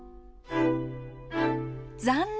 残念！